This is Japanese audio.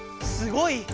すごい！